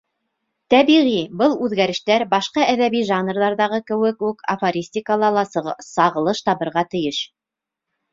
Тәбиғи, был үҙгәрештәр, башҡа әҙәби жанрҙарҙағы кеүек үк, афористикала ла сағылыш табырға тейеш.